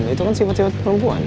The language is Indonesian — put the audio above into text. itu kan sifat sifat perempuan